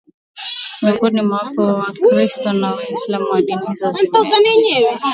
Miongoni mwao wapo Wakristo na Waislamu na dini hizi zimeenea